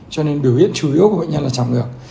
cho nên biểu hiện chủ yếu của bệnh nhân là giảm ngược